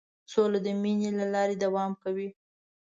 سوله د مینې له لارې دوام کوي.